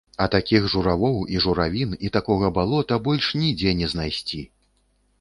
А такіх журавоў і журавін і такога балота больш нідзе не знайсці!